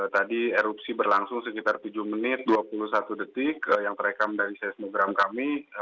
tadi erupsi berlangsung sekitar tujuh menit dua puluh satu detik yang terekam dari seismogram kami